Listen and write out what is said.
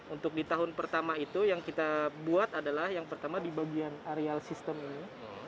untuk di tahun pertama itu yang kita buat adalah yang pertama di bagian areal system ini